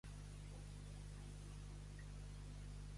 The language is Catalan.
Ser Peret, el de les matinades.